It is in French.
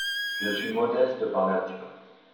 Je suis modeste par nature.